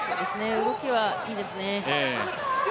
動きはいいですね。